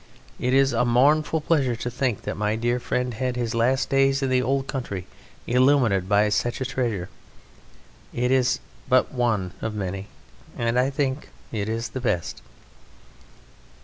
It is a mournful pleasure to think that my dear friend had his last days in the Old Country illuminated by such a treasure. It is but one of many, but I think it is the best.